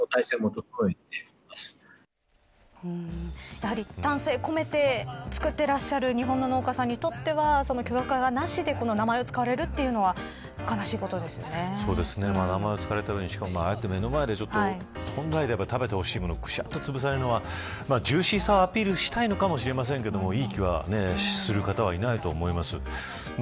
やはり、丹精込めて作ってらっしゃる日本の農家さんにとっては許可なしで名前が使われる名前を使われた上に目の前で本来なら食べてほしいものをつぶされるのはジューシーさをアピールしたいのかもしれませんが、いい気がする方はいないと思います。